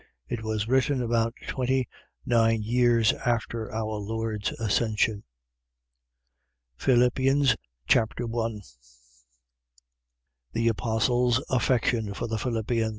It was written about twenty nine years after our Lord's Ascension. Philippians Chapter 1 The apostle's affection for the Philippians.